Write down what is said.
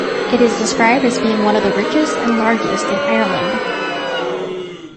It is described as being one of the richest and largest in Ireland.